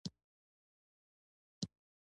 اوس خبر شوم، پولیس هم ورپسې ګرځي.